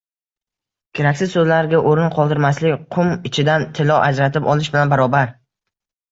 keraksiz so‘zlarga o‘rin qoldirmaslik – qum ichidan tillo ajratib olish bilan barobar.